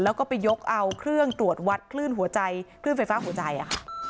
แล้วก็ไปยกเอาเครื่องตรวจวัดคลื่นหัวใจคลื่นไฟฟ้าหัวใจอะค่ะ